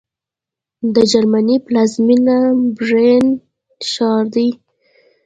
د جرمني پلازمېنه برلین ښار دی